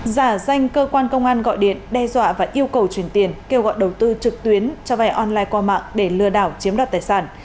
giả danh cơ quan công an gọi điện đe dọa và yêu cầu truyền tiền kêu gọi đầu tư trực tuyến cho vay online qua mạng để lừa đảo chiếm đoạt tài sản